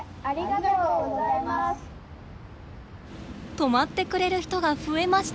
止まってくれる人が増えました。